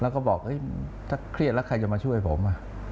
แล้วก็บอกถ้าเครียดแล้วใครจะมาช่วยผม